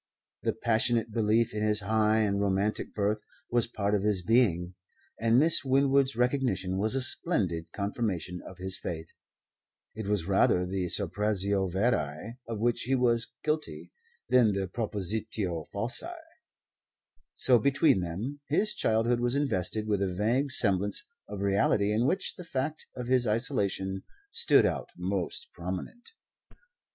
The passionate belief in his high and romantic birth was part of his being, and Miss Winwood's recognition was a splendid confirmation of his faith. It was rather the suppressio veri of which he was guilty than the propositio falsi. So between them his childhood was invested with a vague semblance of reality in which the fact of his isolation stood out most prominent.